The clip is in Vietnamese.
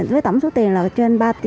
với tổng số tiền là trên ba bảy